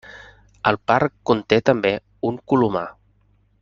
El parc conté també un colomar.